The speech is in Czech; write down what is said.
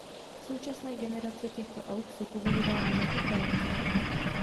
Současné generace těchto aut jsou považovány za coupé.